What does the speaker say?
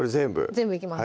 全部いきます